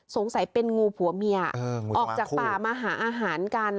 สงสัยเป็นงูผัวเมียเอองูจงอางคู่ออกจากป่ามาหาอาหารกัน